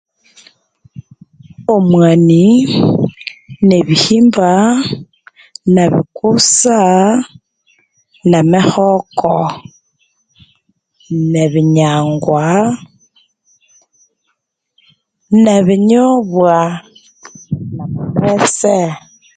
Omwani, nebihimba, nebikusa, nemihoko, nebinyangwa, nebinyobwa namabese.